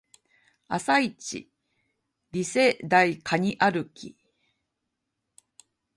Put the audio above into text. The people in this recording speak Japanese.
朝イチリセ台カニ歩き